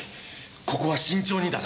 ここは慎重にだな。